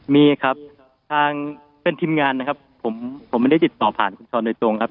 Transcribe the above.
มีครับทางเป็นทีมงานนะครับผมผมไม่ได้ติดต่อผ่านคุณช้อนโดยตรงครับ